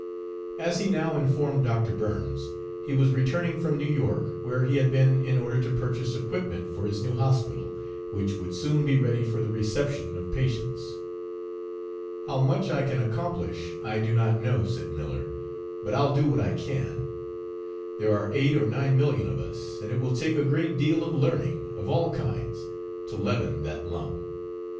As he now informed Dr. Burns, he was returning from New York, where he had been in order to purchase equipment for his new hospital, which would soon be ready for the reception of patients. "How much I can accomplish I do not know," said Miller, "but I'll do what I can. There are eight or nine million of us, and it will take a great deal of learning of all kinds to leaven that lump."